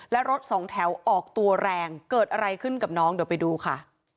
และรถสองแถวออกตัวแรงเกิดอะไรขึ้นกับน้องเดี๋ยวไปดูค่ะ